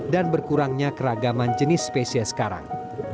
dan berkurangnya keragaman jenis spesies karang